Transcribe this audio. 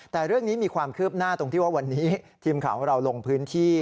แต่เรื่องนี้มีความคืบหน้าตรงที่ว่าวันนี้ทีมข่าวของเราลงพื้นที่